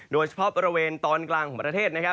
โดยเฉพาะบริเวณตอนกลางของประเทศนะครับ